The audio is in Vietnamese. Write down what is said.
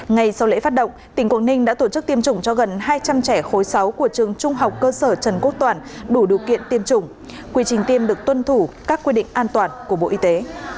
ngay sau lễ phát động tỉnh quảng ninh đã tổ chức tiêm chủng cho gần hai trăm linh trẻ khối sáu của trường trung học cơ sở trần quốc toàn đủ điều kiện tiêm chủng quy trình tiêm được tuân thủ các quy định an toàn của bộ y tế